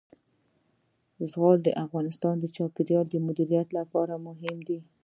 زغال د افغانستان د چاپیریال د مدیریت لپاره مهم دي.